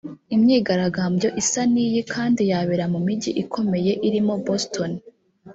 Imyigaragambyo isa n’iyi kandi yabere mu mijyi ikomeye irimo Boston